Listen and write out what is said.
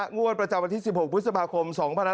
งวดประจำวันที่๑๖พฤษภาคม๒๕๖๒